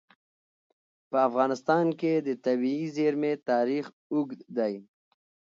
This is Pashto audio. په افغانستان کې د طبیعي زیرمې تاریخ اوږد دی.